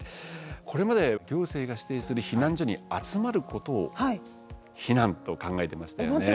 これまで行政が指定する避難所に集まることを避難と考えてましたよね。